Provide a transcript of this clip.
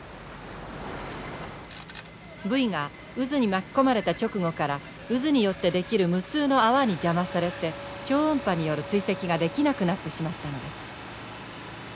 ブイが渦に巻き込まれた直後から渦によって出来る無数の泡に邪魔されて超音波による追跡ができなくなってしまったのです。